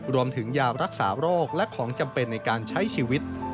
รวมถึงยารักษาโรคและของจำเป็นในการใช้ชีวิต